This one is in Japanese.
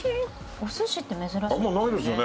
お寿司って珍しいですね。